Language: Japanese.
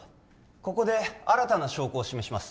ここで新たな証拠を示します